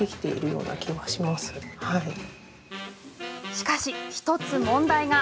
しかし、１つ問題が。